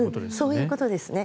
そういうことですね。